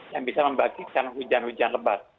yang bisa membangkitkan hujan hujan lebat